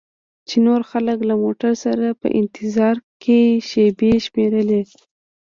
چې نور خلک له موټر سره په انتظار کې شیبې شمیرلې.